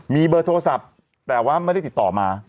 มีเบอร์โทรศัพท์แต่ว่าไม่ได้ติดต่อมา